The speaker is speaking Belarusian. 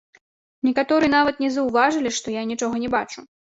Некаторыя нават не заўважалі, што я нічога не бачу.